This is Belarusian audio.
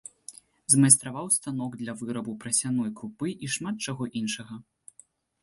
Змайстраваў станок для вырабу прасяной крупы і шмат чаго іншага.